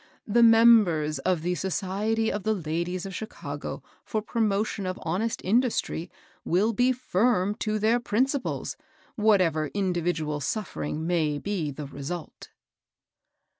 The members of the ' Society of the Ladies of Chicago for Promotion of Hon est Industry ' will be firm to their principles^ whatever individual suffering may be the result."